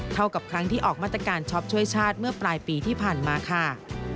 เท่ากับครั้งที่ออกมาตรการช็อปช่วยชาติเมื่อปลายปีที่ผ่านมาค่ะ